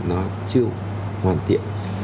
nó chưa hoàn thiện